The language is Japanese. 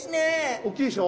おっきいでしょ？